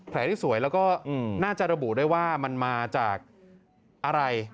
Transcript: ได้สวยแล้วก็น่าจะระบุได้ว่ามันมาจากอะไร